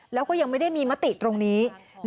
แล้วก็ยังไม่ได้มีมติตรงนี้